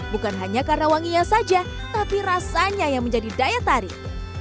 bukan hanya karena wanginya saja tapi rasanya yang menjadi daya tarik